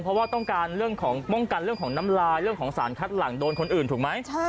เพราะว่าต้องการเรื่องของป้องกันเรื่องของน้ำลายเรื่องของสารคัดหลังโดนคนอื่นถูกไหม